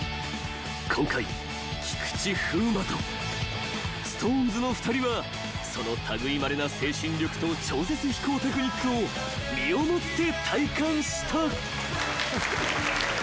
［今回菊池風磨とＳｉｘＴＯＮＥＳの２人はそのたぐいまれな精神力と超絶飛行テクニックを身を持って体感した］